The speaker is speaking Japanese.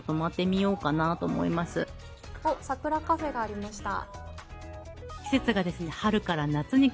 サクラカフェがありました。